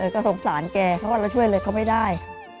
ก็สงสารแกเพราะว่าเราช่วยอะไรเขาไม่ได้